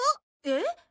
えっ？